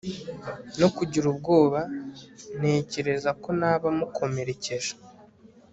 no kugira ubwoba ntekerezako naba mukomerekeje